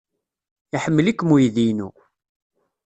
Iḥemmel-ikem uydi-inu.